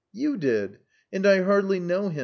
"You did. And I hardly know him.